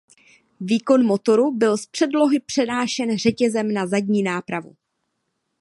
Výkon motoru byl z předlohy přenášen řetězem na zadní nápravu.